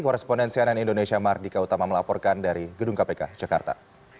korespondensi ann indonesia mardika utama melaporkan dari gedung kpk jakarta